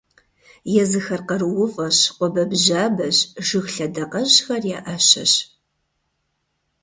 Езыхэр къарууфӀэщ, къуабэбжьабэщ, жыг лъэдакъэжьхэр я Ӏэщэщ.